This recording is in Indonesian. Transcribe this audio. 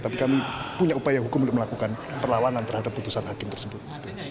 tapi kami punya upaya hukum untuk melakukan perlawanan terhadap putusan hakim tersebut